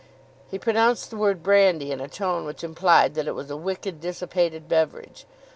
He pronounced the word "brandy" in a tone which implied that it was a wicked, dissipated beverage.